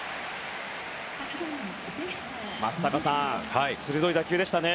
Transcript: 松坂さん、鋭い打球でしたね。